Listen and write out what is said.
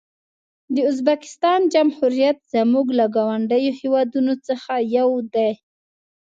د ازبکستان جمهوریت زموږ له ګاونډیو هېوادونو څخه یو دی.